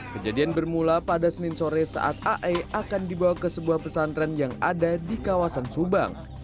kejadian bermula pada senin sore saat ae akan dibawa ke sebuah pesantren yang ada di kawasan subang